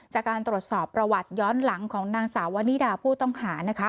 จากการตรวจสอบประวัติย้อนหลังของนางสาววนิดาผู้ต้องหานะคะ